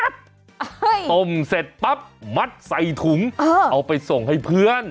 ต้มเสร็จปั๊บมัดใส่ถุงเอาไปส่งให้เพื่อน